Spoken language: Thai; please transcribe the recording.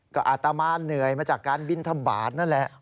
ก็อาตมาเหนื่อยมาจากการบินทบาทนั่นแหละ